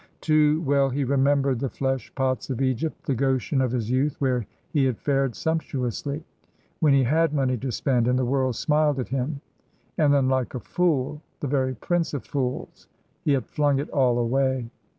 Too well he remembered the flesh pots of Egypt the Goshen of his youth, where he had fared sumptuously, when he had money to spend and the world smiled at him; and then, like a fool the very prince of fools he had flung it all away.